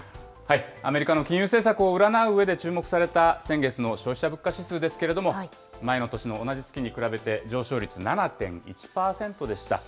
アメリカの金融政策を占ううえで注目された先月の消費者物価指数ですけれども、前の年の同じ月に比べて上昇率７．１％でした。